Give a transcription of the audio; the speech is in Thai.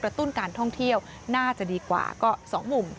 ตุ้นการท่องเที่ยวน่าจะดีกว่าก็๒มุม